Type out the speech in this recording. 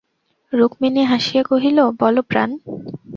রুক্মিণী হাসিয়া কহিল, বলো প্রাণ।